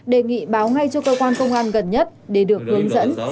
đề nghị báo ngay cho cơ quan công an gần nhất để được hướng dẫn giải quyết